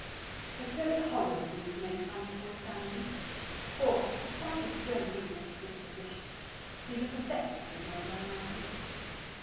It's really horrid of me to make fun of poor Sandy, for, despite his stern bleakness of disposition, he's a pathetic figure of a man.